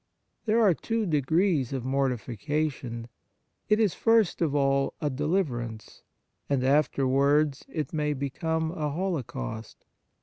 There are two degrees of mortifica tion : it is, first of all, a deliverance, and afterwards it may become a holo caust.